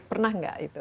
pernah nggak itu